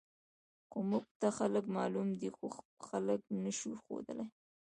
خو موږ ته خلک معلوم دي، خو خلک نه شو ښودلی.